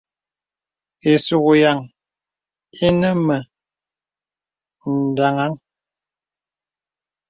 Ìsùk yàŋ ìnə mə daŋaŋ.